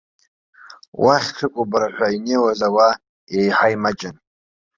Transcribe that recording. Уахь ҽыкәабара ҳәа инеиуаз ауаа еиҳа имаҷын.